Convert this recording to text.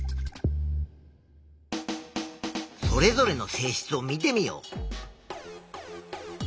それぞれの性質を見てみよう。